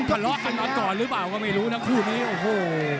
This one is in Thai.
ทะเลาะกันมาก่อนหรือเปล่าก็ไม่รู้นะคู่นี้โอ้โห